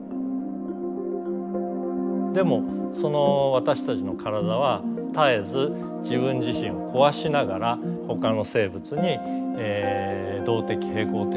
でもその私たちの体は絶えず自分自身を壊しながらほかの生物に動的平衡を手渡すという形でですね